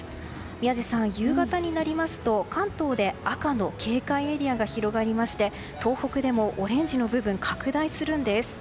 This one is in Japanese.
宮司さん、夕方になりますと関東で、赤の警戒エリアが広がりまして東北でもオレンジの部分が拡大するんです。